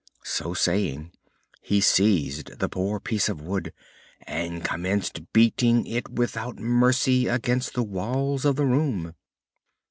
So saying, he seized the poor piece of wood and commenced beating it without mercy against the walls of the room.